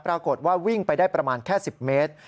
ปรากฏว่าวิ่งไปได้ประมาณแค่๑๐เมตร